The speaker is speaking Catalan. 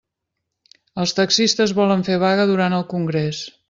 Els taxistes volen fer vaga durant el congrés.